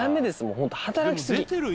ホント働き過ぎ。